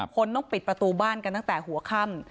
คนต้องปิดประตูบ้านกันตั้งแต่หัวค่ำ